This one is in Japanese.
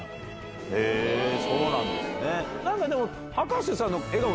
へぇそうなんですね。